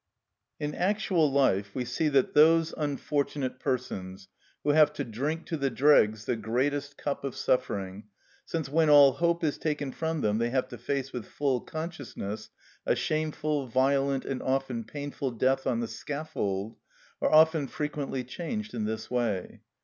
In actual life we see that those unfortunate persons who have to drink to the dregs the greatest cup of suffering, since when all hope is taken from them they have to face with full consciousness a shameful, violent, and often painful death on the scaffold, are very frequently changed in this way.